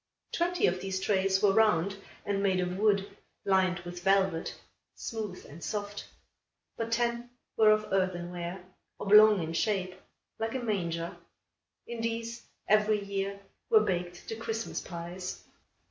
Twenty of these trays were round and made of wood, lined with velvet, smooth and soft; but ten were of earthenware, oblong in shape, like a manger. In these, every year, were baked the Christmas pies.